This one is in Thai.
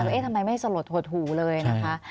เอ๊ะทำไมไม่สลดหดหูเลยนะคะ